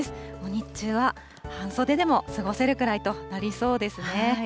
日中は半袖でも過ごせるくらいとなりそうですね。